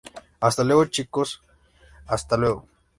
hasta luego, chicos. hasta luego.